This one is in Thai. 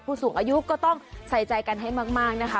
ผู้สูงอายุก็ต้องใส่ใจกันให้มากนะคะ